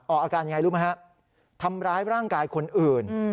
อาการยังไงรู้ไหมฮะทำร้ายร่างกายคนอื่น